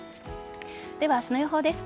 では、明日の予報です。